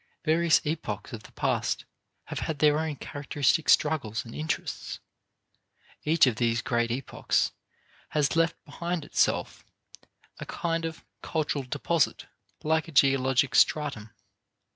Various epochs of the past have had their own characteristic struggles and interests. Each of these great epochs has left behind itself a kind of cultural deposit, like a geologic stratum.